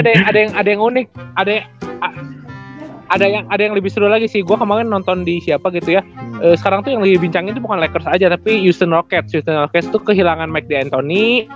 tapi ada yang unik ada yang lebih seru lagi sih gua kemaren nonton di siapa gitu ya sekarang tuh yang lebih dibincangin bukan lakers aja tapi houston rockets houston rockets tuh kehilangan mike d antoni